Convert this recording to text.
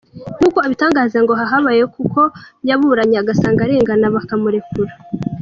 Nkuko abitangaza ngo aha habaye kuko yaburanye bagasanga arengana baramurekura.